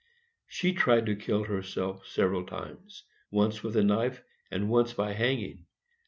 She tried to kill herself several times, once with a knife and once by hanging.